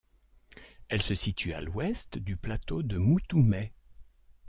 Elles se situent à l'ouest du plateau de Mouthoumet.